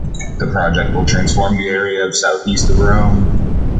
The project will transform the area of south-east of Rome.